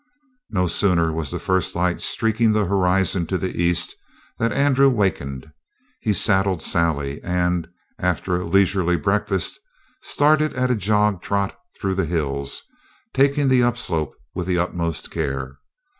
No sooner was the first light streaking the horizon to the east than Andrew wakened. He saddled Sally and, after a leisurely breakfast, started at a jog trot through the hills, taking the upslope with the utmost care.